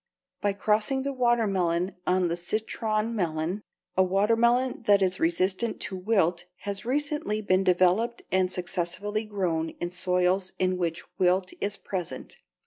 By crossing the watermelon on the citron melon, a watermelon that is resistant to wilt has recently been developed and successfully grown in soils in which wilt is present.